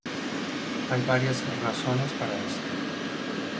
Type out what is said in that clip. Hay varias razones para esto.